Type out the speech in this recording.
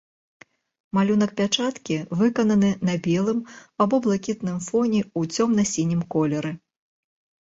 Малюнак пячаткі выкананы на белым альбо блакітным фоне ў цёмна-сінім колеры.